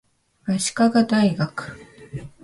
足利大学